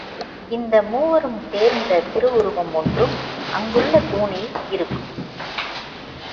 இந்த மூவரும் சேர்ந்த திரு உருவம் ஒன்றும் அங்குள்ள தூணில் இருக்கும்.